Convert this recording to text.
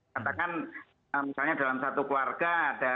katakan misalnya dalam satu keluarga ada